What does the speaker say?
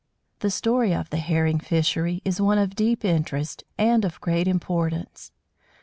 The story of the Herring fishery is one of deep interest, and of great importance.